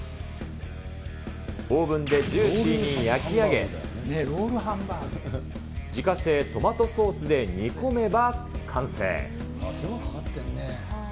オーブンでジューシーに焼き上げ、自家製トマトソースで煮込めば完成。